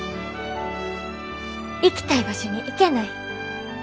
行きたい場所に行けない。